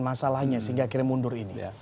masalahnya sehingga akhirnya mundur ini